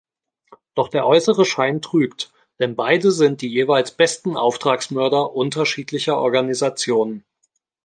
Doch der äußere Schein trügt, denn beide sind die jeweils besten Auftragsmörder unterschiedlicher Organisationen.